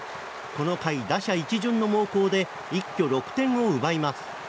この回、打者一巡の猛攻で一挙６点を奪います。